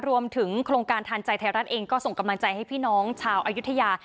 รวมถึงโครงการทานใจไทยรัฐเองก็ส่งกำลังใจให้พี่น้องชาวอายุทยา